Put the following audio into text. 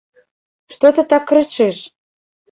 Што ты так крычыш?